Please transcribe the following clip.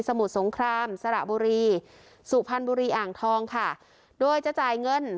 มุดสงครามสระบุรีสุพรรณบุรีอ่างทองค่ะโดยจะจ่ายเงิน